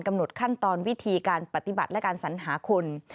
กำหนดขั้นตอนวิธีการปฏิบัติและการสัญหาคน